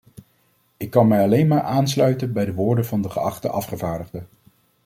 Ik kan mij alleen maar aansluiten bij de woorden van de geachte afgevaardigde.